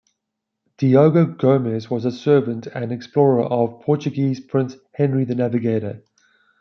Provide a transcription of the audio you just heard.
Diogo Gomes was a servant and explorer of Portuguese prince Henry the Navigator.